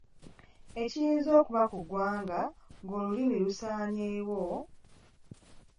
Ekiyinza okuba ku ggwanga ng’olulimi lusaanyeewo